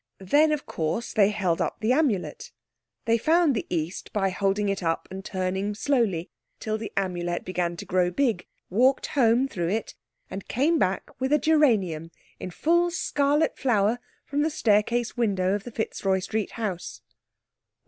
Then, of course, they held up the Amulet. They found the East by holding it up, and turning slowly till the Amulet began to grow big, walked home through it, and came back with a geranium in full scarlet flower from the staircase window of the Fitzroy Street house.